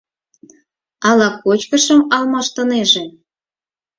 Ала кочкышым алмаштынеже?